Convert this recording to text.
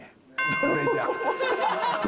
これじゃ。